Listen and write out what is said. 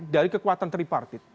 dari kekuatan tripartit